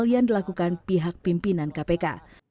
yang dilakukan pihak pimpinan kpk